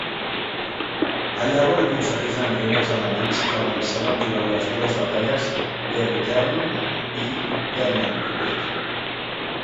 Allà van aconseguir fer enrere els alemanys que avançaven durant les dures batalles d'Hébuterne i Dernancourt.